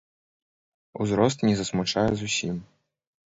Узрост не засмучае зусім.